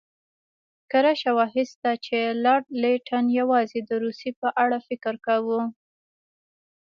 کره شواهد شته چې لارډ لیټن یوازې د روسیې په اړه فکر کاوه.